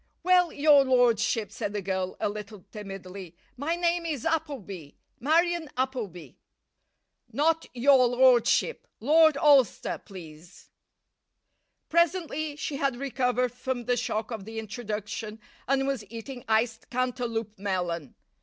"Well, your lordship," said the girl, a little timidly, "my name is Appleby Marion Appleby." "Not 'your lordship'; Lord Alcester, please." Presently she had recovered from the shock of the introduction, and was eating iced Cantaloup melon.